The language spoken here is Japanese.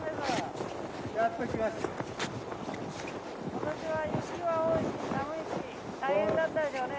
今年は雪は多いし寒いし大変だったでしょうね。